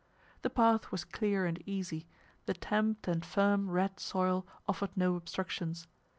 The path was clear and easy, the tamped and firm red soil offered no obstructions.